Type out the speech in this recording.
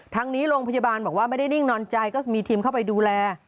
ทั้งนี้โรงพยาบาลบอกว่าไม่ได้นิ่งนอนใจก็มีทีมเข้าไปดูแล